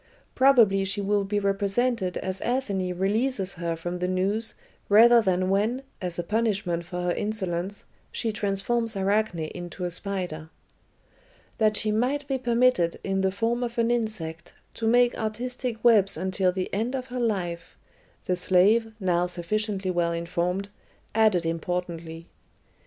"Probably she will be represented as Athene releases her from the noose rather than when, as a punishment for her insolence, she transforms Arachne into a spider." "That she might be permitted, in the form of an insect, to make artistic webs until the end of her life," the slave, now sufficiently well informed, added importantly.